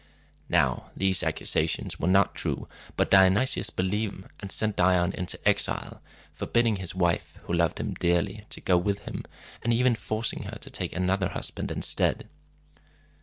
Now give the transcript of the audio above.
Now, these accusations were not true; but Dionysius believed them, and sent Dion into exile, forbidding his wife, who loved him dearly, to go with him, and even forcing her to take another husband instead.